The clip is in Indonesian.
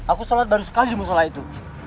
aku sholat baru sekali di musola itu